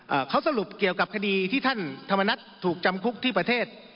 เขาสรุปเกี่ยวกับคดีที่ท่านธรรมนัฐถูกจำคุกที่ประเทศ